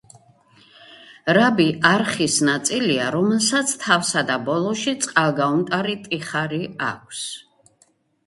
რაბი არხის ნაწილია, რომელსაც თავსა და ბოლოში წყალგაუმტარი ტიხარი აქვს.